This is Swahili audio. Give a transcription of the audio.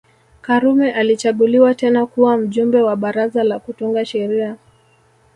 Karume alichaguliwa tena kuwa Mjumbe wa Baraza la Kutunga Sheria